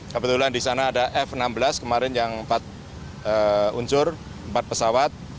kebetulan di sana ada f enam belas kemarin yang empat unsur empat pesawat